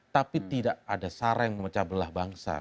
tapi tidak ada sarang mecah belah bangsa